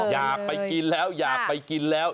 อยากไปกินแล้วอยากไปกินแล้ว